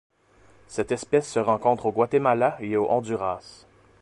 Cette espèce se rencontre au Guatemala et au Honduras.